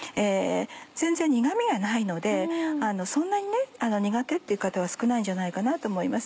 全然苦味がないのでそんなに苦手っていう方は少ないんじゃないかなと思います。